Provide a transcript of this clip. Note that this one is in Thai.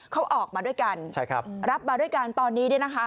เขาออกมาด้วยกันรับมาด้วยกันตอนนี้นะคะ